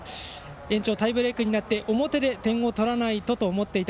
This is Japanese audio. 延長、タイブレークになって表で点を取らないとと思っていた。